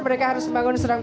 mereka harus membangun serangga